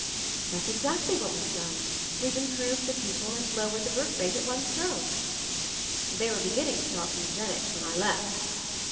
"That's exactly what we've done; weVe improved the people and lowered the birth rate at one stroke I" "They were beginning to talk eugenics when I left."